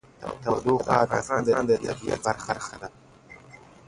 تودوخه د افغانستان د طبیعت برخه ده.